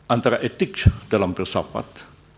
antara etik dalam filsafat